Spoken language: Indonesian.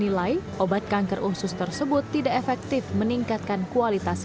dua jenis obat kanker kolorektal yaitu bevacizumab dan setusimab dikeluarkan